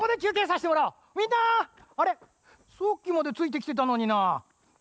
さっきまでついてきてたのになあ。